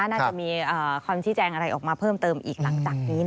น่าจะมีคำชี้แจงอะไรออกมาเพิ่มเติมอีกหลังจากนี้